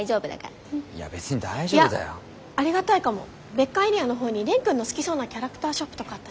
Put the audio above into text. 別館エリアのほうに蓮くんの好きそうなキャラクターショップとかあったし。